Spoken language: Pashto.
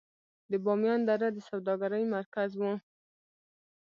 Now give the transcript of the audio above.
د بامیان دره د سوداګرۍ مرکز و